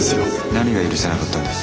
何が許せなかったんです？